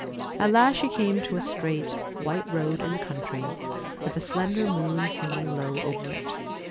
At last she came to a straight, white road in the country, with the slender moon hanging low over it.